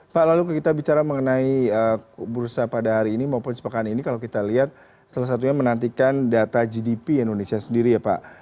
pak lalu kita bicara mengenai bursa pada hari ini maupun sepekan ini kalau kita lihat salah satunya menantikan data gdp indonesia sendiri ya pak